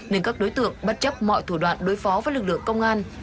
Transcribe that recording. nên các đối tượng bất chấp mọi thủ đoạn đối phó với lực lượng công an